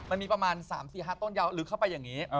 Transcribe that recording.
มันมีประมาณ๓๔๕ต้นยาวลึกเข้าไปอย่างนี้